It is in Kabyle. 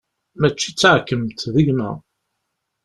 Mačči d taɛkemt, d gma!